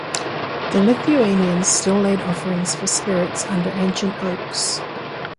The Lithuanians still laid offerings for spirits under ancient oaks.